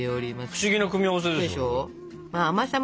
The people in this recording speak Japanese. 不思議な組み合わせですね。